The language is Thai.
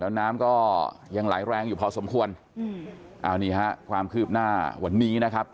แล้วน้ำก็ยังไหลแรงอยู่พอสมควรเอานี่ฮะความคืบหน้าวันนี้นะครับ